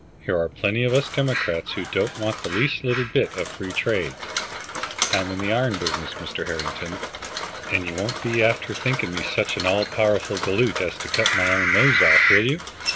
Here are plenty of us Democrats who don't want the least little bit of free trade. I'm in the iron business, Mr. Harrington, and you won't be after thinking me such an all powerful galoot as to cut my own nose off, will you?"